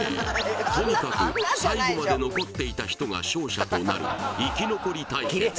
とにかく最後まで残っていた人が勝者となる生き残り対決